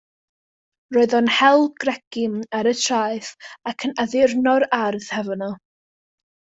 Roedd o'n hel cregyn ar y traeth ac addurno'r ardd hefo nhw.